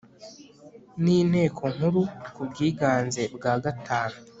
n Inteko Nkuru ku bwiganze bwa gatanu